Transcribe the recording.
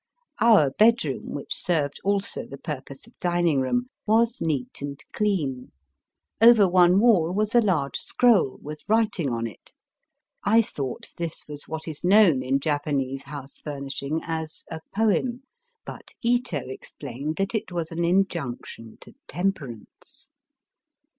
Our bedroom, which served also the pur pose of dining room, was neat and clean* Over one wall was a large scroll with writing on it. I thought this was what is known in Japanese house furnishing as " a poem." But Ito explained that it was an injunction to temperance.